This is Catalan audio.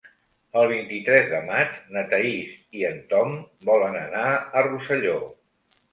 El vint-i-tres de maig na Thaís i en Tom volen anar a Rosselló.